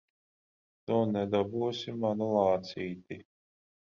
Tu nedabūsi manu lācīti!